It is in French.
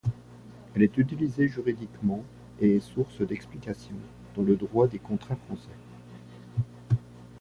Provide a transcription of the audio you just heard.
Elle est utilisée juridiquement et est source d'explications dans le droit des contrats français.